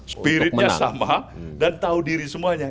spiritnya sama dan tahu diri semuanya